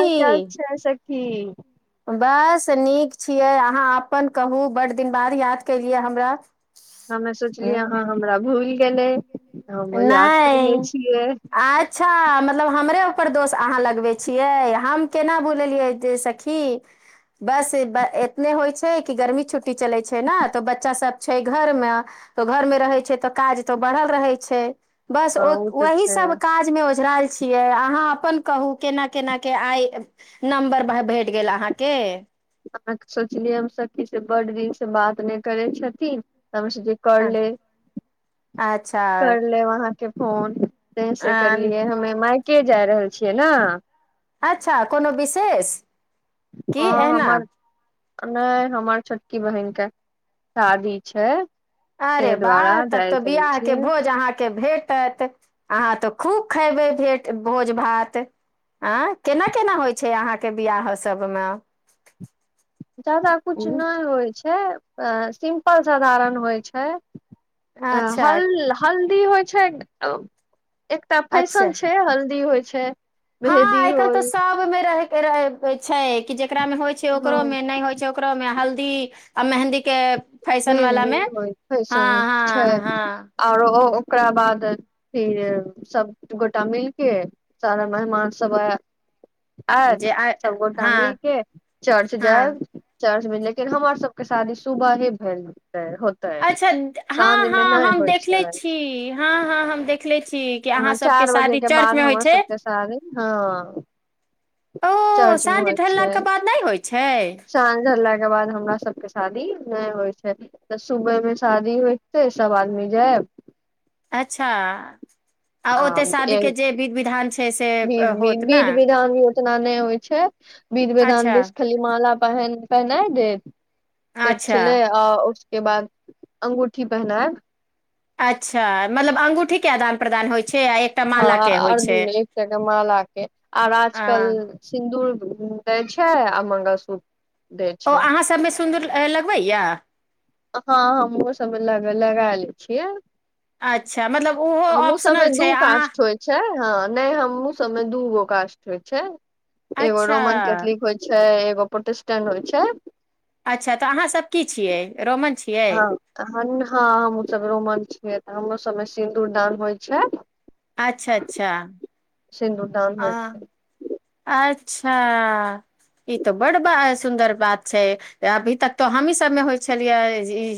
क छैक [inaudible] ठीक बस नीक छियैक अहाँ अपन कहू बड दिन बाद याद केलियै हमरा हमे सोचलियै हूँ अहाँ हमरा भूल गेलै हम याद नहि करनेे छियैक अच्छा मतलब हमरे ऊपर दोष अहाँ लगबै छियै कहम केना बुललियै जे सखी बस एतने होइ छै कि गर्मी छुट्टी चलै छै ने तऽ बच्चा सब छै घर मे त घर मे रहै छै तऽ काज तो बढ़ल रहै छै छै बस हँ ओ तऽ वही छै सब अहाँ काज मे ओझरा छियै अहाँ अपन कहू केना केना केँ आइ नम्बर भेट गेल अहाँके अहाँके सोचलियै हम सखी से बड दिन से बात नहि करै छथिन समशजी कल हँ अच्छा करल वहाँ [unintelligible] के फोन तैसे अ करलियै हमे माइक केँ जा रहल छियैक ने अच्छा कोनो विशेष की हँ एहना हमर नहि हमर छोटकी बहिनक केँ शादी छैक अरे वाह तब तो बियाह केँ छियै भोज अहाँ भेटत अहाँ तऽ खूब खबै भोज भात आ केना केना होइत छैक अहाँके बियाह सभमे ज्यादा कुछ उं नहि होइत छैक सिम्पल साधारण होइत छैक अ हल अच्छा हल [inaudible] हल्दी होइत छैक एकटा फैसन अच्छा छैक हल्दी होइत छैक छै [inaudible] हँ मेहदी आइ कालि तऽ होल सबमे रहिकेँ इच्छाै कि जे [inaudible] जेकरा मे होय छैक हँ ओकरो मे नहि होइत छैक ओकरो मे हल्दी दी आ मेहन्दीकेँ मेहन्दी ओ फैेशन छै हँ हँ आओरो ओकरा बाद फिर सभ गोटा मिलकेँ सारा मेहमान सभ आ आएत जे सभगोटा मिल हँ केँ चर्च हँ जाएब। चर्चमे लेकिन हमर सभकेँ शादी सुबहे भेल होतै, अच्छा साँझ हँ मे हँ नहि हम होइ देखले छै छी हँ हँ हम देखले छी कि अहाँ सभकेँ चार बजे शादी के बाद चर्चमे होइत हमर छै सबके शादी हँ ओ चर्च मे साँझ होइ छै ढललाकेँ बाद नहि होइत छै तइके बाद हमरा सभकेँ शादी नहि होयत छै तऽ सुबहमे शादी होयतै सभ आदमी जाएब अच्छा आ ओतय शादीकेँ जे बिध-विधान छै से होत न ओना नहि होइत छै बिध-विधानमे बेसी खली माला पहन पहिनायत देत अच्छा छलै आ ओहि केँ बाद अंगूठी पहिनायत अच्छा मतलब अंगूठी केँ आदान-प्रदान होइ छै आ एकटा हँ माला आ के होइ आओर छै दुरमे एकटाके मालाकेँ आओर अ आजकल सिन्दूर दैत छै आ मंगलसूत्र दै ओ छै अहाँ सभमे सिन्दूर लगबैए हँ हमरो सभमे लग लगा लै छियै अच्छा मतलब ओहो हमरो सभमे ऑप्शनल दू छै अहाँ कास्ट होइत छै हँ नहि हमहूँ सभमे दू गो कास्ट होइत छै एगो अच्छा रोमन केैथलिक होइ छै एगो पोट [unintelligible] स्टन होइत छै अच्छा तऽ अहाँसभ की छियै रोमन छियै हँअ् हँअ् हमहूंँ सभ रोमन छियै हमरो सभमे सिन्दूरदान होइत छै अच्छा अच्छा सिन्दुरदान आ होइत छै अच्छा ई तऽ बड्ड बड़ा सुन्दर बात छै अभी तक तऽ हमहीं सभमे होइ छलियै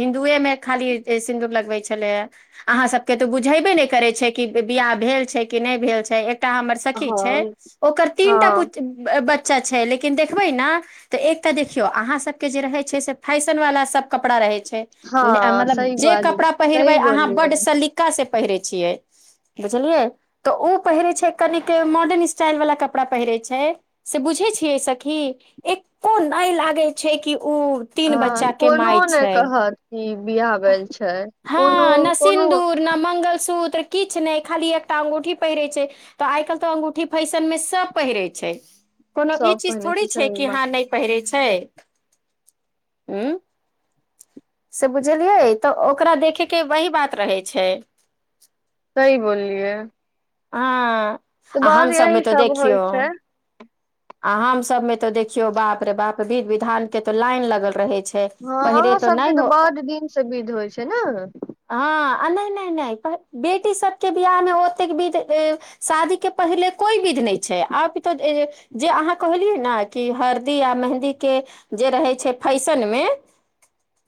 हिन्दुएमे खाली सिन्दूर लगबै छलैय अहाँ सभकेँ तऽ बुझैबे नहि करै छै कि बियाह भेल छै कि नहि भेल छै एक- एकटा हमर सखी छै हँ ओकर तीनटा हँ पुत ब [unintelligible] बच्चा छैइ लेकिन देखबय ना तऽ एकटा देखियौ अहाँ सब केँ जे रहेशय छैक से फैशन वाला सब कपड़ा रहय हँ मतलब सही जे बाजै कपड़ा छै पहिरबय सही अहाँ बोलली बड्ड बहिन सलीका से पहिरय छियैक बुझलियै तऽ ओ पहिरैइ छैइ कनि मॉडर्न स्टाइल वला क कपड़ा पहिरे छैइ से बुझय छिअइ सखी एको नई लागय छैक कि ओ तीन बच्चा हंअ् के कोनो माय नई छै कहत बिआह भेल छैई हँ कोनो न कोनो सिन्दूर न मंगलसूत्र किछु नहि खाली एकटा अंगूठी पहिरे छैक तऽ आइ काल्हि तऽ अंगूठी फैशन मे सब पहिरैइ छैक कोनो ई सब चीज पहिने छै थोड़ी छैक सही कि बात हँ नहि पहिरे छैइ हैय उं से बुझ [inaudible] बुझलियै तऽ ओकरा देखकेँ वही बात रहय छैक सही बोललियै हँ आ हम बस सबमे यही तो सब होइ देखियौ छैय आ हम सब मे तो देखियौ बाप रे बाप विध विधान के तो लाइन लगल रहे छै हँ पहिरे अहाँ तो सभके नहि तऽ हो ब्ड दिनसँ विध होइ छैय ने हँ आ नहि नहि नहि बेटी सब के बियाह मे ओतेक विध शादीके पहिले कोइ विध नहि छैय आब तऽ जे अहाँ कहलियै ने कि हरदी आ मेहदीके जे रहै छैय फैशनमे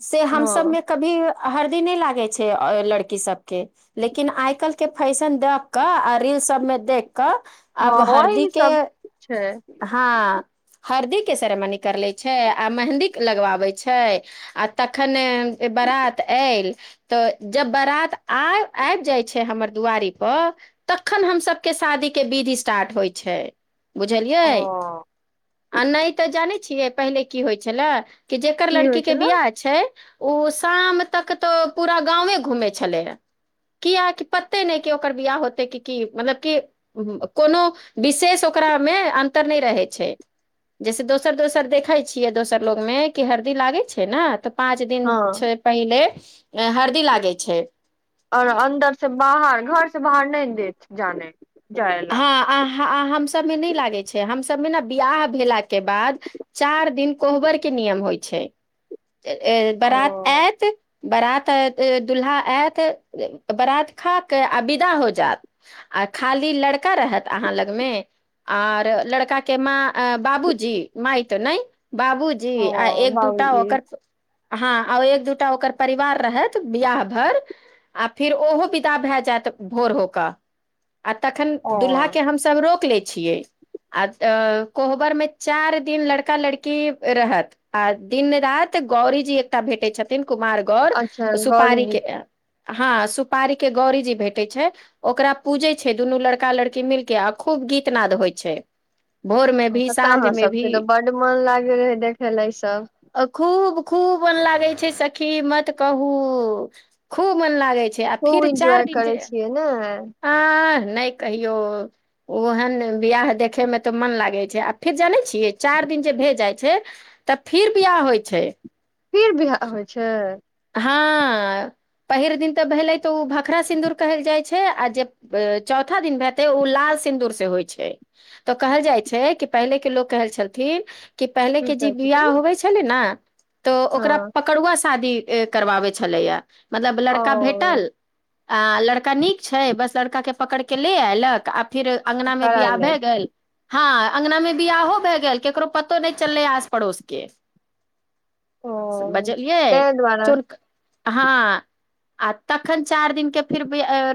से हम सबमे कभी हरदी नहि लागैत छै लड़की सभके लेकिन आइकाल्हिके फैशन द कऽ आ रील सबमे देख अब हँ हरदी ओहि के सब छै हँ हरदी के सेरमनी कर लै छैय आ मेहन्दी लगबाबैत छैय आ तखन बारात आयल तऽ जब बारात आ आबि जाइ छैय हमर दुआरीपर तखन हमसभके शादीके विध स्टार्ट होइ छै ओ बुझलियै आ नहि तऽ जानै छियै पहिले की होइ छलै कि जेकर की होइ लड़की के छलै बियाह छै ओ शाम तक तो पूरा गावे घूमे छले हे कियाक पते नहि कि ओकर बियाह होते मतलब कि कोनो विशेष ओकरा मे अन्तर नहि रहै छै जैसे दोसर दोसर देखै छियै दोसर लोग मे कि हरदी लागै छै ने तऽ पाँच दिन हँ छै पहिले अ हरदी लागै छैय आऔर अन्दर से बाहर घर से बाहर नहि देत जाने जायला हम सबमे नहि लागै छै हम सभमे ने बियाह भेलाक के बाद चार दिन कोहबर के नियम होइ छै ओ बरात एत बारात दुल्हा आयत बारात खााक आ विदा हो जात आ खाली लड़ लड़का रहत अहाँ लगमे आर लड़का के माँ बाबूजी माय तऽ नहि बाबूजी ओ आ एक दूटा बाबूजी ओकर हँ आ एक दूटा ओकर परिवार रहत बियाह भर आ फिर ओहो विदा भए जायत भोर होके आ तख ओ दुूल्हा के हमसब रोक ले छ कोहबर मे चार दिन लड़का लड़की रहत आ दिन राति गौरीजी एकटा भेटैत छथिन कुमार गौर अच्छा सुपारी गौरीजी के हँ सुपारी के गौरीजी भेटै छै ओकरा पूजे छै दुनू लड़क लड़का लड़की मिलके आ खूब गीत नाद होइ छै भोर मे ओ भी ततय साँझ मे भी अहाँसभके तऽ बड्ड मोन लागैत रहै देखय ल इसभ खूब खूब मन लागे छै सखी मत कहू खूब मन लागे छै आ खूब फिर चार एन्जॉय दिन करै छै छियै ने ह [unintelligible] आह नहि कहियो ओहन बियाह देखे मे तऽ मन लागे छैक आ फिर जाने छी चार दिन जे भेजाइत छै तऽ फिर बियाह होइत छैक फिर बियाह होइत छैक हँ पहिल दिन तऽ भेलै तऽ ओ भखरा सिन्दूर कहल जाइत छैक आ जे चौथा दिन हेतै ओ लाल सिन्दूर से होइत छैक तऽ कहल जाइ छैक कि पहिलेके लोक कहय छलथिन कि पहिले की केँ जे कहै बिआह छथिन होबे छलै ने तऽ ओकरा हँ पकड़ुआ शादी करवाबै छलैया मतलब ओ लड़का भेटल आ लड़का नीक छैक बस लड़का केँ पकड़ के ले एयलक आब फिर अङंगना मे कराय बियाह लेब भय गेल हँ अँगना मे बियाहो भए गेल केकरो पतो नहि चललै आस पड़ोस केँ ओ बजलियै ताहि दुआरे चोड़क हँ आ तखन चारि दिनक केँ फिर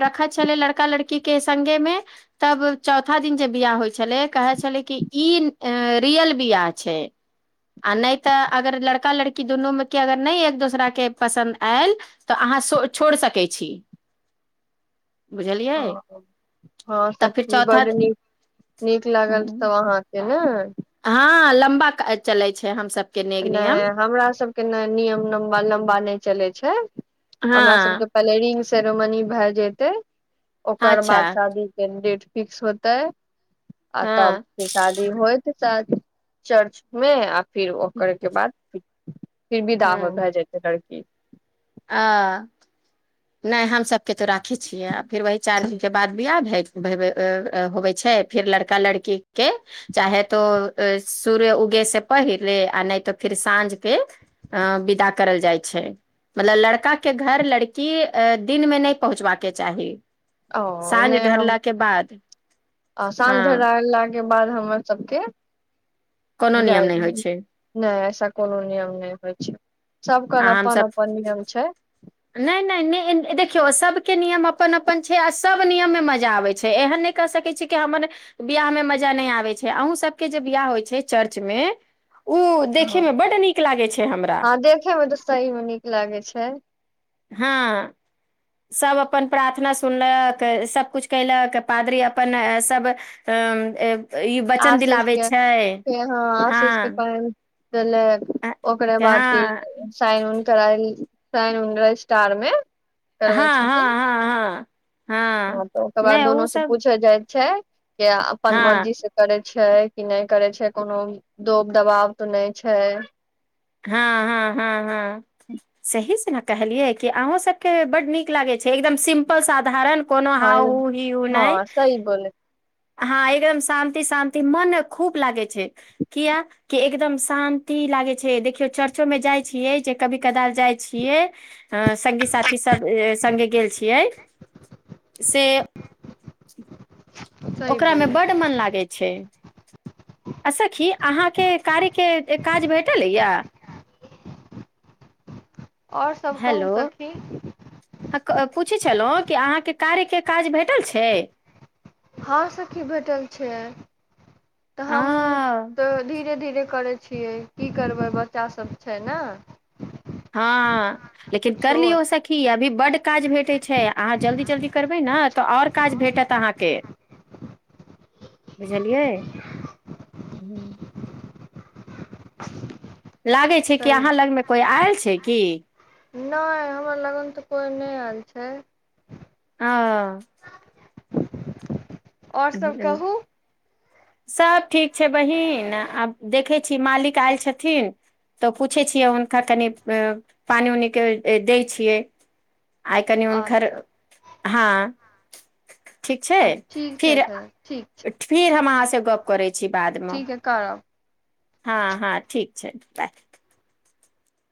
रखैत छलै लड़का लड़की केँ संगे मे तब चौथा दिन जे बियाह होइ छलैक कहय छलैक कि ई रियल बियाह छैक आ नहि तऽ अगर लड़का लड़की दुनूमेकेँ अगर नहि एक दोसराकेँ पसन्द आयल तऽ अहाँ छोड़ि सकैत छी बुझलियै ह हँ तऽ फिर सखी चौथा बड नीक नीक लागल सब अहाँके ने [unintelligible] हँ लम्बा चलय छैक हमसभ नहि हमरा सबकेँ ने नियम लम्बा नहि चलैत छैक छै हँ हमरा सबके पहले रिंग सेरोमनी भए जेतै ओकर अच्छा बाद शादी के डेट फिक्स होतय आ तब हँ शादी होइत साथ चर्च मे आ फिर करैके बाद फिर बिदा भ हँ जायतै लड़की आ नहि हम सभके तो राखै छियै आ फेर वही चारि दिनके बाद बियाह होबै छै फिर लड़का लड़की के चाहे तो सूर्य उगे से पहिले आ नहि तऽ फिर साँझ के विदा करल जाइ छै मतलब लड़का के घर लड़ की अ दिन मे नहि पहुँचबाके चाही ओ साँझ ने ढरला के बाद साँझ हँ भरा लाग के बाद हमर सबके कोनो जा नियम नहि होइ छै नहि ऐसा कोनो नियम नहि होइ छै सभकन आ अपन हमसभ अपन नियम छै नहि नहि नहि देखियौ सभके नियम अपन अपन छै आ सभ नियममे मजा आबै छै एहन नहि कहि सकै छी कि हमर बियाहमे मजा नहि आबै छै अहूँ सभके जे बियाह होइ छै चर्चमे हँ हमरा हँ देखे मे तऽ सही मे नीक लागै छै हँ सभ अपन प्रार्थना सुनलक सभकुछ कयलक पादरी अपन सभ ई वचन आशीष दिलाबै के छै हँ पले अ, ओकरे बाद हँ फिर साइन उन करायल साइन उन रजिस्टार मे हँ करबै हँ छथिन हँ हँ हँ तऽ ओकर बाद नहि ओ दुनु से सब पूछल जाइत छै के अपन हँ मर्जी से करैत छै कि नहि करै छै कोनो दोब दबाव तऽ नहि छै हँ हँ हँ हँ सहीसँ ने कहलियै कि अहूँ सबके बड्ड नीक लागै छै एकदम सिम्पल साधारण कोनो हा हँ हु हि ह हँ नहि सही बोले हँ एकदम शान्ति शान्ति मन खूब लागै छै किया कि एकदम शान्ति लागै छै से देखियो चर्चो में जाय छियै से कभी कदाल जाय छियै संगी साथी सभ संगे गेल छियै सही ओकरामे बोले बड्ड मन लागै छै आ सखी अहाँके कार्यके काज भेटल अ या आओर सभ कहू हेलो सखी हँ, पूछै छलहुँ कि अहाँके कार्य केँ काज भेटल छैक हँ सखी भेटल छैक तऽ हम आ तऽ धीरे धीरे करैत छियैक की करबय बच्चा सब छैक न हँ लेकिन कर लिय हो सखी अभी बड काज भेटै छैक अहाँ जल्दी जल्दी करबै ने त आओर काज भेटत अहाकेँ लागैत छैक कि सही अहाँ लगमे कोइ आयल छैक कि नहि हमर लगन तऽ कोइ नहि आयल छैक ह आओर सभ कहू सभ ठीक छै बहीन आब देखै छी मालिक आयल छथिन तऽ पूछै छियै हुनका कनि पानि उनीके दैत छियैक आइकन हुनकर अच्छा हँ ठीक अच्छा छैक ठीक छै फिर अच्छा ठीक छै फिर हम ठीक अहाँसँ गप करैत छी बादमे ठीक हइ करब हँ हँ ठीक छै बाय